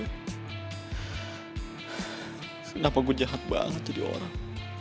kenapa gue jahat banget jadi orang